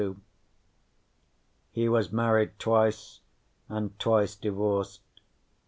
He was married twice and twice divorced.